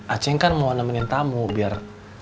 aceh kan mau nemenin tamu biar